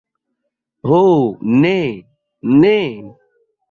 Ho ne, ne.